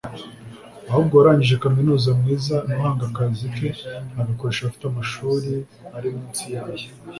Ahubwo uwarangije kaminuza mwiza ni uhanga akazi ke agakoresha abafite amashuri ari munsi y’aye